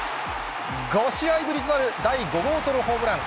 ５試合ぶりとなる第５号ソロホームラン。